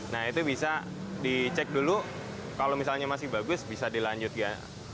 nah itu bisa dicek dulu kalau misalnya masih bagus bisa dilanjutkan